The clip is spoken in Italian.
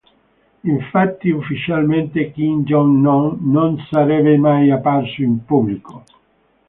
Infatti ufficialmente Kim Jong-Nam non sarebbe mai apparso in pubblico.